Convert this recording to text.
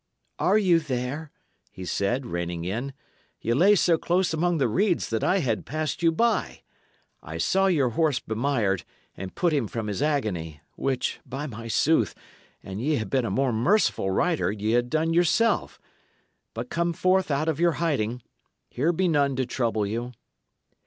"Are ye there?" he said, reining in. "Ye lay so close among the reeds that I had passed you by. I saw your horse bemired, and put him from his agony; which, by my sooth! an ye had been a more merciful rider, ye had done yourself. But come forth out of your hiding. Here be none to trouble you."